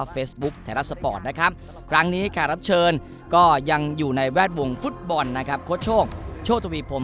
ผมบอกถ้าเรายังคิดว่าเราเก่งแล้วเราจบเลย